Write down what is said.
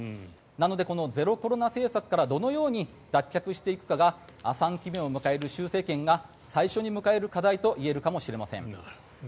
なのでこのゼロコロナ政策からどのように脱却していくかが３期目を迎える習政権が最初に迎える課題といえるかもしれません。